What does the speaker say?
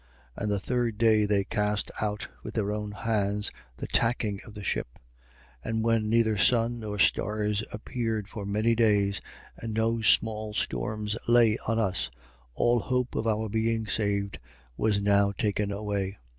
27:19. And the third day they cast out with their own hands the tacking of the ship. 27:20. And when neither sun nor stars appeared for many days and no small storms lay on us, all hope of our being saved was now taken away.